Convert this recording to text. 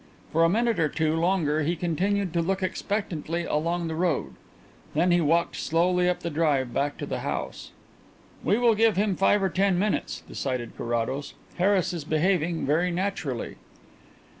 For a minute or two longer he continued to look expectantly along the road. Then he walked slowly up the drive back to the house. "We will give him five or ten minutes," decided Carrados. "Harris is behaving very naturally."